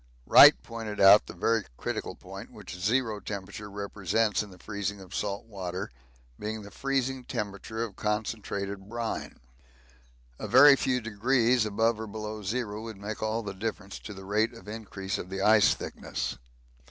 Wright pointed out the very critical point which zero temperature represents in the freezing of salt water, being the freezing temperature of concentrated brine a very few degrees above or below zero would make all the difference to the rate of increase of the ice thickness.